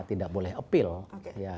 tidak boleh mencoba